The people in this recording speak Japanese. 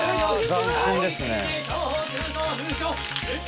斬新ですね。